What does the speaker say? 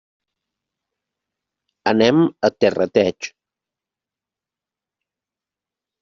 Anem a Terrateig.